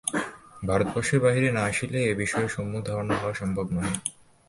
ভারত- বর্ষের বাহিরে না আসিলে এ বিষয়ে সম্যক ধারণা হওয়া সম্ভব নহে।